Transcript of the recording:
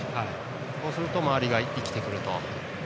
そうすると周りが生きてくると。